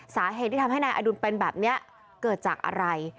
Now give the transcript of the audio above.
สาเหตุที่ทำให้นายอดุลเป็นแบบนี้เกิดจากอะไร